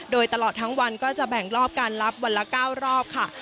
โดยตลอดทั้งวันก็จะแบ่งรอบการรับวันละ๙รอบค่ะ